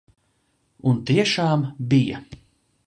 Un tiešām bija.